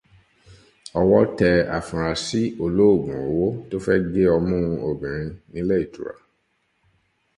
Ọwọ́ tẹ afurasí olóògùn owó tó fẹ́ gé ọmú obìnrin nílé ìtura.